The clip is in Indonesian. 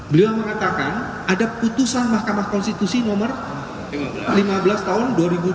beliau mengatakan ada putusan mahkamah konstitusi nomor lima belas tahun dua ribu dua puluh